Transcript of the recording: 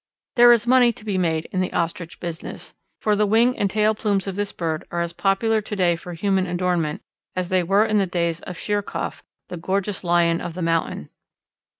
There is money to be made in the Ostrich business, for the wing and tail plumes of this bird are as popular to day for human adornment as they were in the days of Sheerkohf, the gorgeous lion of the mountain.